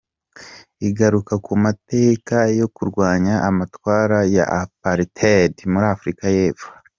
Igaruka ku mateka yo kurwanya amatwara ya Apartheid muri Afurika y’Epfo.